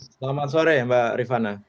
selamat sore mbak rifana